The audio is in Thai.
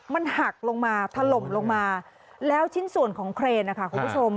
มันหักลงมาถล่มลงมาแล้วชิ้นส่วนของเครนนะคะคุณผู้ชม